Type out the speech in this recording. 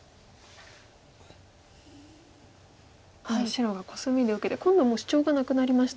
白がコスミで受けて今度もうシチョウがなくなりましたね。